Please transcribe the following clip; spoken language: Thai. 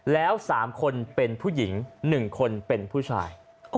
แล้ว๓คนเป็นผู้หญิง๑คนเป็นผู้ชาย